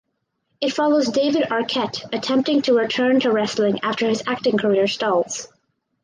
It follows David Arquette attempting to return to wrestling after his acting career stalls.